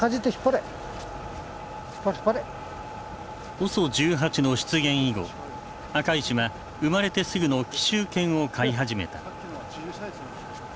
ＯＳＯ１８の出現以後赤石は生まれてすぐの紀州犬を飼い始めた。